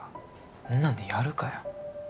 そんなんでやるかよ。